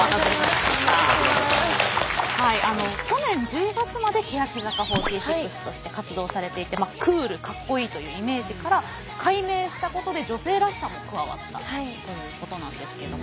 去年１０月まで欅坂４６として活動されていてクールかっこいいというイメージから改名したことで女性らしさも加わったということなんですけども。